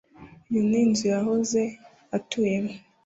iyi ni inzu yahoze atuyemo